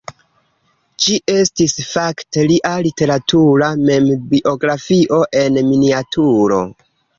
Ĝi estis fakte lia literatura membiografio en miniaturo.